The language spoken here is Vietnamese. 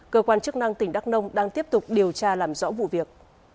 cơ quan chức năng tỉnh đắk nông đang tiếp tục điều tra làm rõ vụ việc